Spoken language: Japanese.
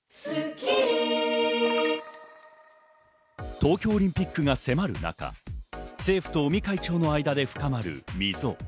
東京オリンピックが迫る中、政府と尾身会長の間で深まる溝。